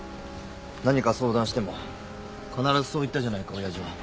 何か相談しても必ずそう言ったじゃないか親父は。